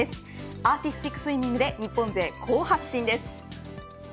アーティスティックスイミングで日本勢、好発進です。